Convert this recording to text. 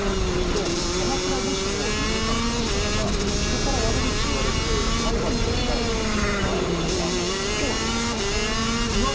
でも鎌倉武士の倫理観からしたらば人から悪口言われて裁判に訴えるっていうのは卑怯なんですよ。